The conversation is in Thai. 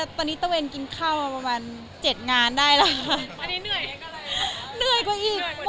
หัวหน้าในตะเวียนกินข้าวมาประมาณ๗งานได้แล้ว